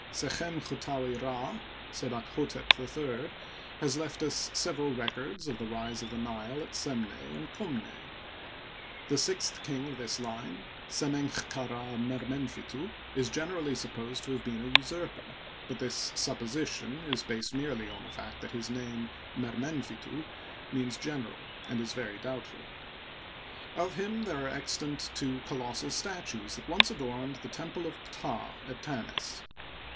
Sechem chU'taui Rdy Sebakhdtep III, has left us several records of the rise of the Nile at Semneh and Kumneh. The sixth king of this line, Se menck ka Rd Mermenjitu, is generally supposed to have been a usurper; but this supposition is based merely on the fact that his name, Mermenfitu, means " general " and is very doubtful. Of him there are extant two colossal statues that once adorned the temple of Ptah at Tanis.